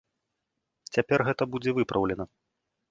Цяпер гэта будзе выпраўлена.